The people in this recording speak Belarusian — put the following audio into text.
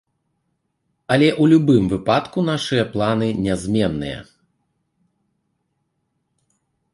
Але ў любым выпадку нашыя планы нязменныя.